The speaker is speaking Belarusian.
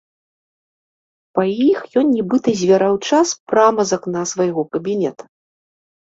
Па іх ён нібыта звяраў час прама з акна свайго кабінета.